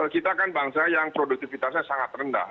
kita kan bangsa yang produktivitasnya sangat rendah